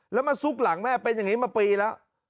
แล้วมาซุกหลังแม่เป็นอย่างนี้มาปีแล้ว